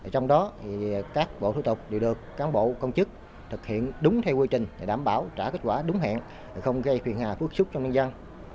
trong đó các bộ thủ tục đều được cán bộ công chức thực hiện đúng theo quy trình để đảm bảo trả kết quả đúng hẹn không gây phiền hà phước xúc trong nhân dân